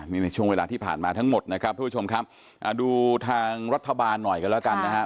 นี่ในช่วงเวลาที่ผ่านมาทั้งหมดนะครับพวกเราคิดข้อมุดยอมดูทางรัฐบาลหน่อยกันละกันนะฮะ